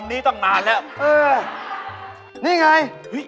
นี่ไง